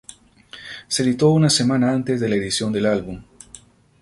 Se editó una semana antes de la edición del álbum.